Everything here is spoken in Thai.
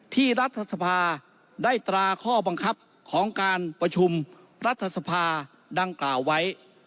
รัฐสภาได้ตราข้อบังคับของการประชุมรัฐสภาดังกล่าวไว้